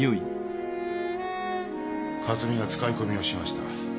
克巳が使い込みをしました。